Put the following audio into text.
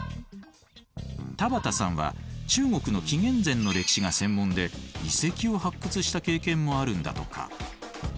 田畑さんは中国の紀元前の歴史が専門で遺跡を発掘した経験もあるんだとか。